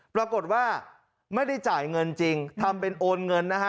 ปรากฏว่าไม่ได้จ่ายเงินจริงทำเป็นโอนเงินนะฮะ